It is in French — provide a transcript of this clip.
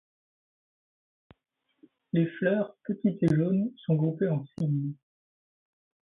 Les fleurs petites et jaunes sont groupées en cymes.